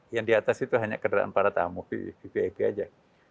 yang di atas itu hanya kederaan para tamu di vip aja